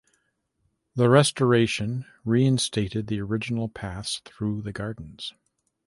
The restoration reinstated the original paths through the gardens.